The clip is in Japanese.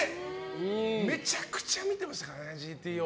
めちゃくちゃ見てましたから「ＧＴＯ」。